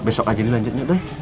besok aja di lanjut nyok doi